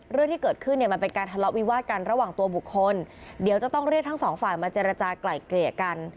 เรื่องที่เกิดขึ้นเนี่ยมันเป็นการทะเลาะวิวาดกันระหว่างตัวบุคคลเดี๋ยวจะต้องเรียกทั้งสองฝ่ายมาเจรจากลายเกลี่ยกัน